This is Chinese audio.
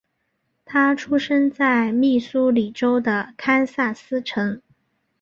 他出生在密苏里州的堪萨斯城。